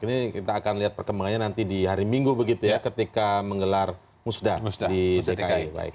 ini kita akan lihat perkembangannya nanti di hari minggu begitu ya ketika menggelar musda di dki